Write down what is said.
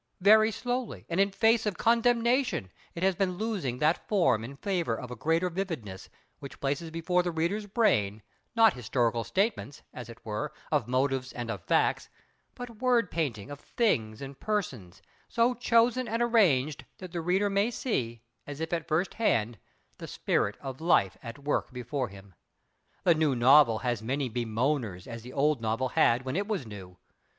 Very slowly, and in face of condemnation, it has been losing that form in favour of a greater vividness which places before the reader's brain, not historical statements, as it were, of motives and of facts, but word paintings of things and persons, so chosen and arranged that the reader may see, as if at first hand, the spirit of Life at work before him. The new novel has as many bemoaners as the old novel had when it was new.